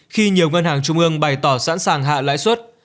khi nhiều ngân hàng trung ương bày tỏ sẵn sàng hạ lãi suất